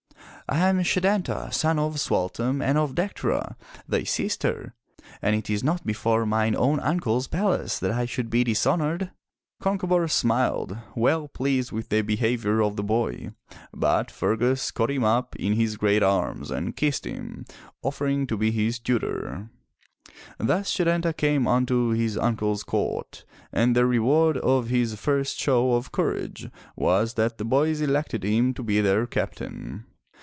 '* "I am Setanta, son of Sualtam and of Dectera, thy sister, and it is not before mine own Uncle's palace that I should be dishonored.'' Concobar smiled, well pleased with the behavior of the boy, but Fergus caught him up in his great arms and kissed him, offering to be his tutor. Thus Setanta came unto his uncle's court, and the reward of his first show of courage was that the boys elected him to be their Captain.